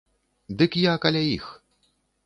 Дык я каля іх.